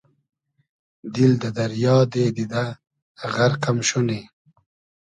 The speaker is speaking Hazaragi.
دیل دۂ دئریا دې دیدۂ غئرق ام شونی